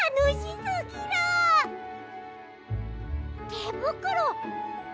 てぶくろ！